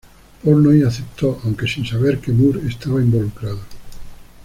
Portnoy aceptó, aunque sin saber que Moore estaba involucrado.